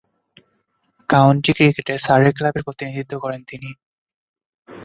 County ক্রিকেটে Surrey ক্লাবের প্রতিনিধিত্ব করেন তিনি।